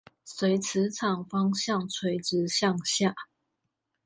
隨磁場方向垂直向下